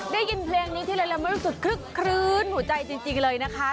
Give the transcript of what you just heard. ได้ยินเพลงนี้ที่ละละมันรู้สึกครึ้นหัวใจจริงเลยนะคะ